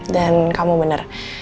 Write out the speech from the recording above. dan kamu bener